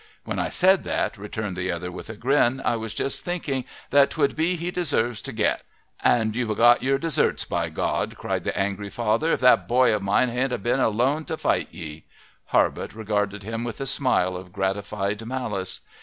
"When I said that," returned the other, with a grin, "I was just thinking what 'twould be he deserves to git." "And you'd agot your deserts, by God," cried the angry father, "if that boy of mine hadn't a been left alone to fight ye!" Harbutt regarded him with a smile of gratified malice.